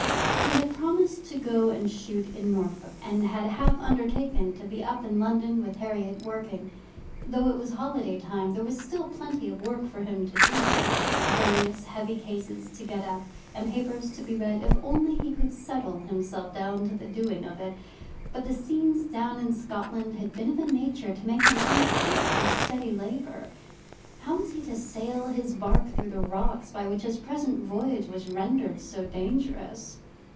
He had promised to go and shoot in Norfolk, and had half undertaken to be up in London with Herriot, working. Though it was holiday time, still there was plenty of work for him to do, various heavy cases to get up, and papers to be read, if only he could settle himself down to the doing of it. But the scenes down in Scotland had been of a nature to make him unfit for steady labour. How was he to sail his bark through the rocks by which his present voyage was rendered so dangerous?